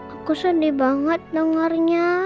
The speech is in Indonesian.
aku sedih banget dengarnya